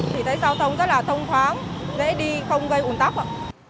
thì thấy giao thông rất là thông khoáng dễ đi không gây hùn tóc ạ